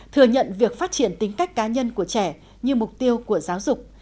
thừa nhận việc phát triển tính cách cá nhân của trẻ như mục tiêu của giáo dục